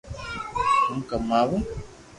ھون ڪماوُ